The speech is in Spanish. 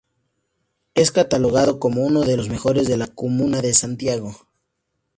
Es catalogado como uno de los mejores de la comuna de Santiago.